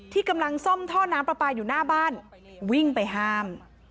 กำลังซ่อมท่อน้ำปลาปลาอยู่หน้าบ้านวิ่งไปห้าม